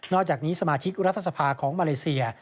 อกจากนี้สมาชิกรัฐสภาของมาเลเซีย